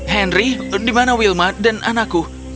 henry dimana wilma dan anakku